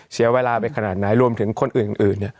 เสียเวลาไปขนาดไหนรวมถึงคนอื่น